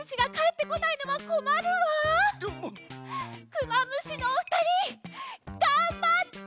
クマムシのおふたりがんばって！